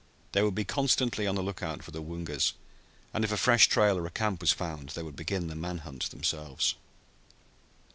They would be constantly on the lookout for the Woongas, and if a fresh trail or a camp was found they would begin the man hunt themselves.